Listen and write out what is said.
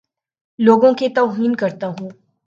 لوگوں کے توہین کرتا ہوں